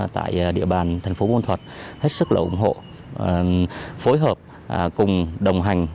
tại địa bàn thành phố bôn thuật hết sức ủng hộ phối hợp cùng đồng hành